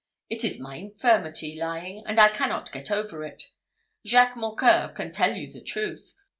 It is my infirmity, lying, and I cannot get over it. Jacques Mocqueur can tell the truth.